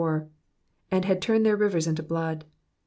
''And had turned their rivers into blood.